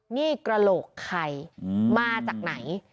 นี่กระโหลกใครมาจากไหน